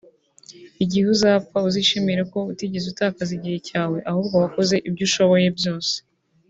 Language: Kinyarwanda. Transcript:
igihe uzapfa uzishimire ko utigeze utakaza igihe cyawe ahubwo wakoze ibyo ushoboye byose